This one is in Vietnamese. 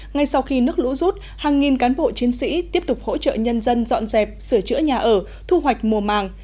ngay sau khi nước lũ rút hàng nghìn cán bộ chiến sĩ tiếp tục hỗ trợ nhân dân dọn dẹp sửa chữa nhà ở thu hoạch mùa màng